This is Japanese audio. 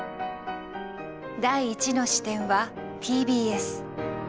第１の視点はＴＢＳ。